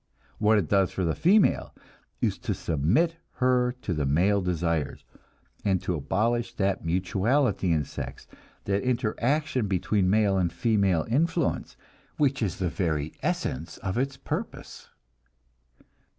What it does for the female is to submit her to the male desires, and to abolish that mutuality in sex, that interaction between male and female influence, which is the very essence of its purpose.